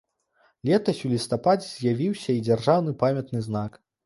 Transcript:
Летась у лістападзе з'явіўся і дзяржаўны памятны знак.